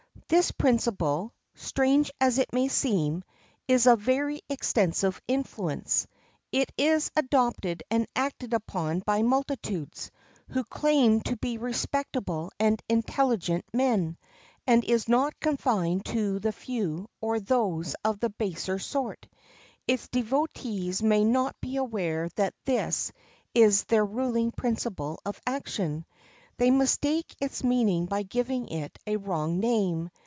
This principle, strange as it may seem, is of very extensive influence. It is adopted and acted upon by multitudes, who claim to be respectable and intelligent men, and is not confined to the few or those of the baser sort. Its devotees may not be aware that this is their ruling principle of action. They mistake its meaning by giving it a wrong name.